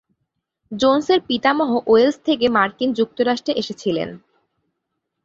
জোন্সের পিতামহ ওয়েলস থেকে মার্কিন যুক্তরাষ্ট্রে এসেছিলেন।